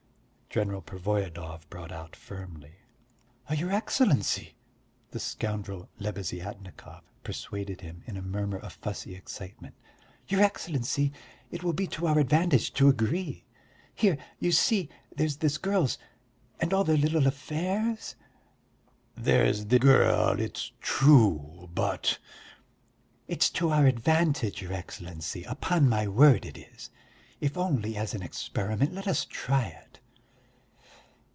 General Pervoyedov brought out firmly. "Your Excellency!" the scoundrel Lebeziatnikov persuaded him in a murmur of fussy excitement, "your Excellency, it will be to our advantage to agree. Here, you see, there's this girl's ... and all their little affairs." "There's the girl, it's true, but...." "It's to our advantage, your Excellency, upon my word it is! If only as an experiment, let us try it...."